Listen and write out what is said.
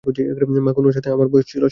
মা খুন হওয়ার সময়ে আমার বয়স ছিল সাত।